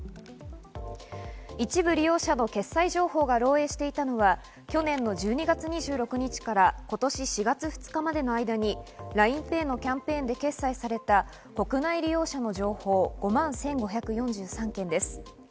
一部利用者の決済情報が漏えいしていたのは去年の１２月２６日から今年４月２日までの間にＬＩＮＥＰａｙのキャンペーンで決済された国内利用者の情報、５万１５４３件です。